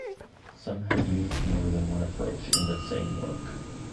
Some have used more than one approach in the same work.